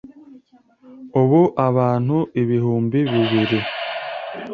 Ubu abantu ibihumbi bibiri